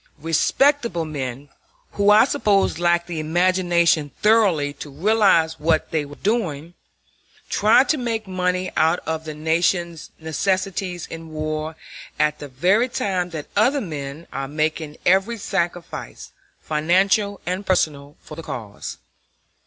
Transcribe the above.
Respectable men, who I suppose lack the imagination thoroughly to realize what they are doing, try to make money out of the Nation's necessities in war at the very time that other men are making every sacrifice, financial and personal, for the cause.